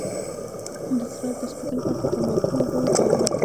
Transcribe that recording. د سر د سپږو لپاره د تنباکو اوبه وکاروئ